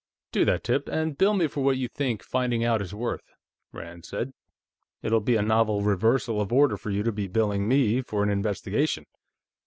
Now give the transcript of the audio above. "Do that, Tip, and bill me for what you think finding out is worth," Rand said. "It'll be a novel reversal of order for you to be billing me for an investigation....